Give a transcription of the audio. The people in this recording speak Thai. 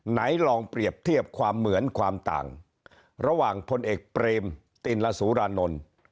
ไหนลองเปรียบเทียบความเหมือนความต่างระหว่างพลเอกเปรมติลสุรานนท์